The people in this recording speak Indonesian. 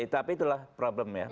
tapi itulah problem ya